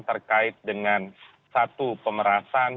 terkait dengan satu pemerasan